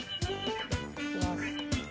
いきます。